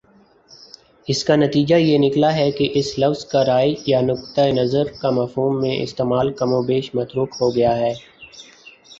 اس کا نتیجہ یہ نکلا ہے کہ اس لفظ کا رائے یا نقطۂ نظر کے مفہوم میں استعمال کم و بیش متروک ہو گیا ہے